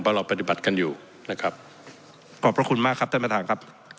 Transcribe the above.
เพราะเราปฏิบัติกันอยู่นะครับขอบพระคุณมากครับท่านประธานครับ